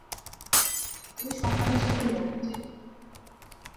আমি সম্মানের সাথে মরতে চাই।